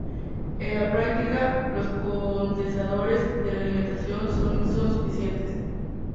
En la práctica, los condensadores de la alimentación son suficientes.